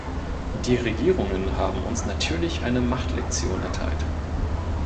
Die Regierungen haben uns natürlich eine Machtlektion erteilt.